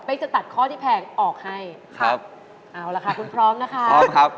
เป็นจะตัดข้อที่แพงออกให้ครับเอาล่ะค่ะคุณพร้อมนะคะพร้อมครับ